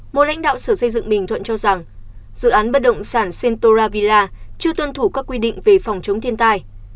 một lãnh đạo sở xây dựng bình thuận cho rằng dự án bất động sản centoravilla chưa tuân thủ các quy định về phòng chống thiên tai